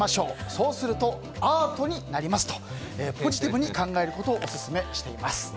そうするとアートになりますとポジティブに考えることをオススメしています。